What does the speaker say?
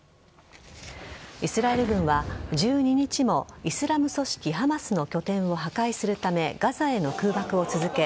イスラエル軍は１２日もイスラム組織・ハマスの拠点を破壊するためガザへの空爆を続け